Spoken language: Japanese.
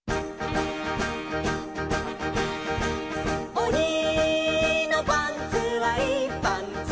「おにのパンツはいいパンツ」